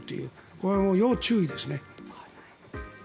これは要注意ですね。